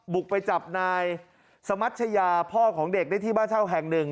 บุกไปจับนายสมัชยาพ่อของเด็กได้ที่บ้านเช่าแห่งหนึ่ง